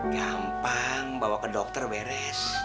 gampang bawa ke dokter beres